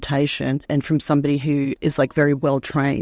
dan dari seseorang yang sangat terbentuk